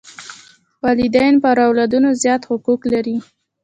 والدین پر اولادونو زیات حقوق لري.